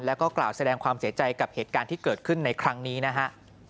แล้วก็กล่าวแสดงความเสียใจกับเหตุการณ์ที่เกิดขึ้นในครั้งนี้นะฮะ